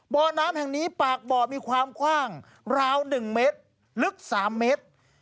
บ่อน้ำแห่งนี้ปากบ่อมีความกว้างราว๑เมตรลึก๓เมตร